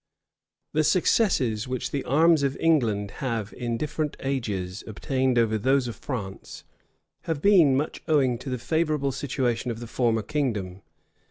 The successes which the arms of England have, in different ages, obtained over those of France, have been much owing to the favorable situation of the former kingdom.